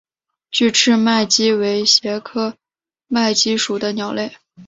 距翅麦鸡为鸻科麦鸡属的鸟类。